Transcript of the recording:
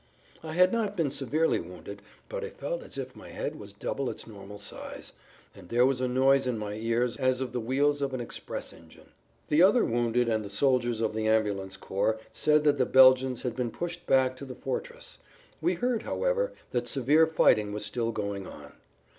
I had not been severely wounded, but I felt as if my[Pg 15] head was double its normal size, and there was a noise in my ears as of the wheels of an express engine. The other wounded and the soldiers of the ambulance corps said that the Belgians had been pushed back to the fortress; we heard, however, that severe fighting was still going on.